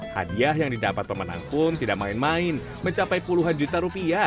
hadiah yang didapat pemenang pun tidak main main mencapai puluhan juta rupiah